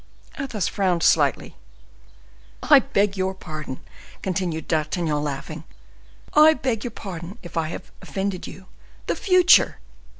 Athos frowned slightly. "I beg your pardon," continued D'Artagnan, laughing, "I beg your pardon if I have offended you. The future!